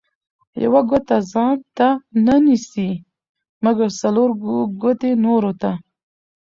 ـ يوه ګوته ځانته نه نيسي، مګر څلور ګوتې نورو ته.